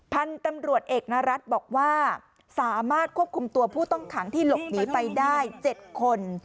พันธุ์ตำรวจเอกนรัฐบอกว่าสามารถควบคุมตัวผู้ต้องขังที่หลบหนีไปได้๗คน